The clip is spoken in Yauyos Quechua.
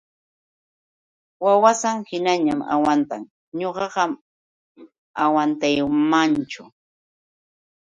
Wawasan hinañaćh agwantan ñuqaqa agwantaymanchu.